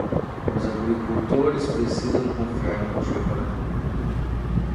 Os agricultores precisam confiar no dia para comer